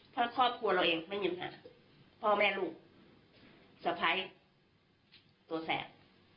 ถ้าครอบครัวเราเองไม่มีปัญหาพ่อแม่ลูกสะพ้ายตัวแสบ